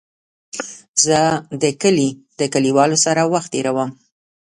زه د کلي د کليوالو سره وخت تېرووم.